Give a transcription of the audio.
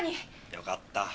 よかった。